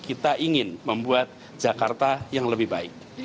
kita ingin membuat jakarta yang lebih baik